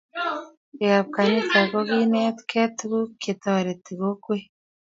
Biik ab kanisa kokinetkei tukuk che toreti kokwet